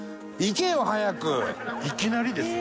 いきなりですね。